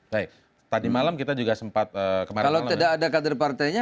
kalau tidak ada kader partainya